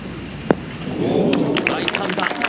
第３打。